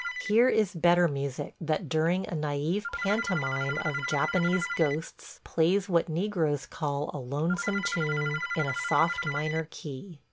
Here is better music, that, during a naïve pantomime of Japanese ghosts, plays what negroes call a "lonesome tune," in a soft minor key.